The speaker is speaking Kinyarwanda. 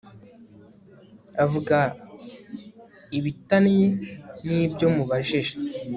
avuga ibitanye nibyo mubajije